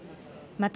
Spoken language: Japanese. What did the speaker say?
また、